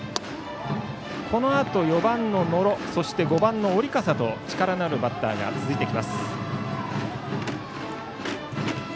このあと、４番の野呂そして、５番の織笠と力のあるバッターが続きます。